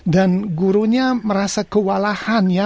dan gurunya merasa kewalahan ya